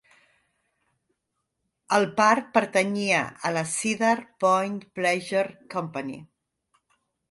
El parc pertanyia a la Cedar Point Pleasure Company.